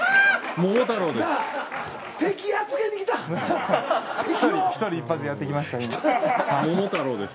桃太郎です。